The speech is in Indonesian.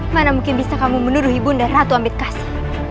mana mungkin bisa kamu menuduhi bunda ratu amitkasi